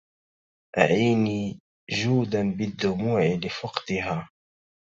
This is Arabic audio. أعيني جودا بالدموع لفقدها